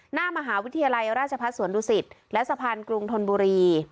หน้ามหาวิทยาลัยราชพัฒน์สวนดุสิตและสะพานกรุงธนบุรี